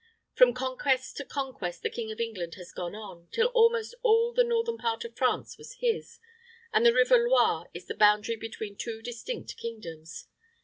From conquest to conquest the King of England has gone on, till almost all the northern part of France was his, and the River Loire is the boundary between two distinct kingdoms.